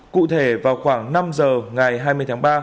cụ thể vào khoảng năm giờ ngày hai mươi tháng ba